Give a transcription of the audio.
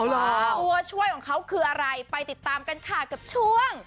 ตัวช่วยของเขาคืออะไรไปติดตามกันค่ะกับช่วง